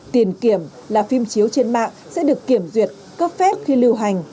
tiền kiểm là phim chiếu trên mạng sẽ được kiểm duyệt cấp phép khi lưu hành